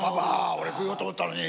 俺食おうと思ったのに。